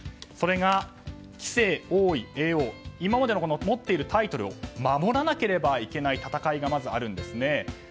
それが棋聖、王位、叡王今まで持っているタイトルを守らなければいけない戦いがあるんですね。